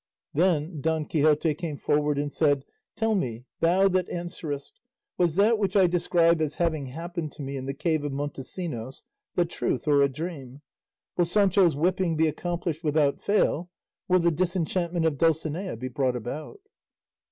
Then Don Quixote came forward and said, "Tell me, thou that answerest, was that which I describe as having happened to me in the cave of Montesinos the truth or a dream? Will Sancho's whipping be accomplished without fail? Will the disenchantment of Dulcinea be brought about?"